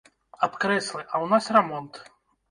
Аб крэслы, а ў нас рамонт!